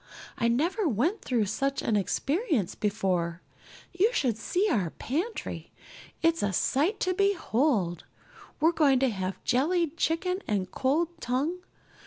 I never went through such an experience before. You should just see our pantry. It's a sight to behold. We're going to have jellied chicken and cold tongue.